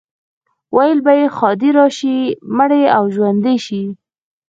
ویل به یې ښادي راشي، مړی او ژوندی شي.